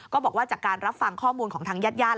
บอกว่าจากการรับฟังข้อมูลของทางญาติญาติ